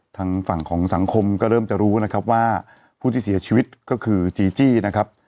ทางฝั่งของสังคมก็เริ่มจะรู้นะครับว่าผู้ที่เสียชีวิตก็คือจีจี้นะครับ